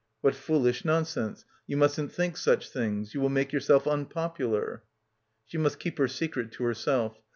... What foolish nonsense. You mustn't think such things. You will make yourself unpopular. ... She must keep her secret to herself.